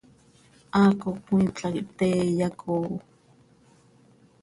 Haaco cmiipla quih pte iyacooo.